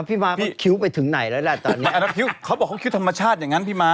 พี่มาเขาคิ้วไปถึงไหนแล้วล่ะตอนนี้